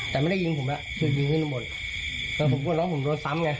แต่ไม่ได้ยิงผมแล้วคือยิงขึ้นบนแต่ผมกลัวน้องผมโดนซ้ำไง